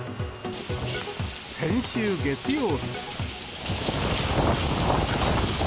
先週月曜日。